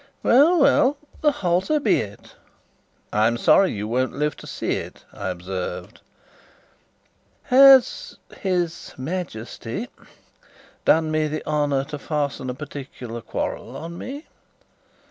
"Well, well, the halter be it." "I'm sorry you won't live to see it," I observed. "Has his Majesty done me the honour to fasten a particular quarrel on me?"